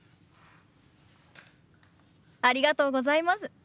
ありがとうございます。